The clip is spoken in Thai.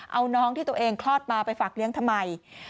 เอาน้องที่ตัวเองคลอดมาไปฝากเลี้ยงทำไม